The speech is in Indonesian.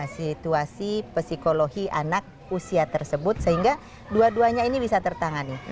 situasi psikologi anak usia tersebut sehingga dua duanya ini bisa tertangani